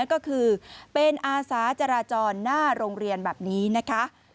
ก็คือเป็นอาสาจราจรหน้าโรงเรียนแบบนี้นะคะ